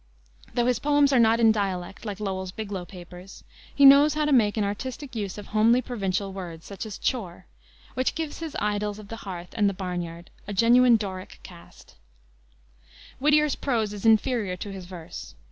Though his poems are not in dialect, like Lowell's Biglow Papers, he knows how to make an artistic use of homely provincial words, such as "chore," which give his idyls of the hearth and the barnyard a genuine Doric cast. Whittier's prose is inferior to his verse.